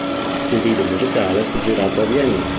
Il video musicale fu girato a Vienna.